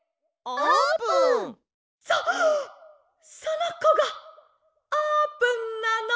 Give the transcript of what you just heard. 「そそのこがあーぷんなの！？